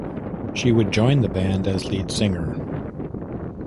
She would join the band as lead singer.